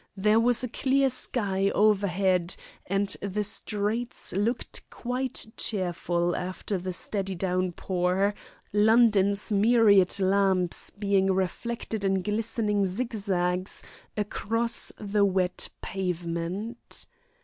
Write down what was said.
There was a clear sky overhead, and the streets looked quite cheerful after the steady downpour, London's myriad lamps being reflected in glistening zigzags across the wet pavement.